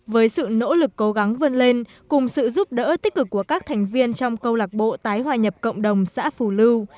với sự nỗ lực cố gắng vươn lên cùng sự giúp đỡ tích cực của các thành viên trong câu lạc bộ tái hòa nhập cộng đồng xã phù lưu